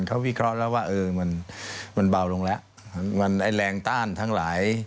เขาวิเคราะห์แล้วว่าเออมันมันเบาลงแล้วมันไอ้แรงต้านทั้งหลาย